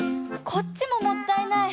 こっちももったいない。